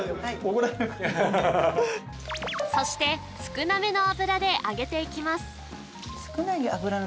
そして少なめの油で揚げていきます